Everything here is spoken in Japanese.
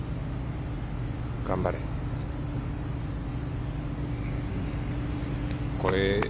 頑張れ。